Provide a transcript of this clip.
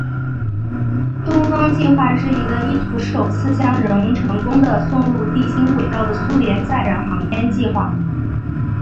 东方计划是一个意图首次将人成功地送入地心轨道的苏联载人航天计划。